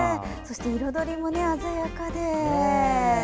そして彩りも鮮やかで。